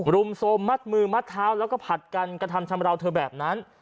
รุมโทรมมัดมือมัดเท้าแล้วก็ผัดกันกระทำชำราวเธอแบบนั้น